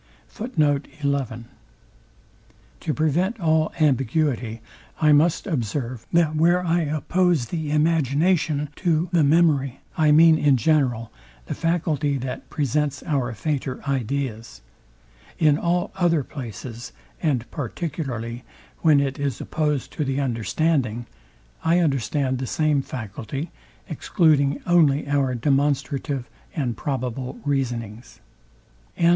To prevent all ambiguity, I must observe, that where I oppose the imagination to the memory, I mean in general the faculty that presents our fainter ideas. In all other places, and particularly when it is opposed to the understanding, I understand the same faculty, excluding only our demonstrative and probable reasonings. SECT.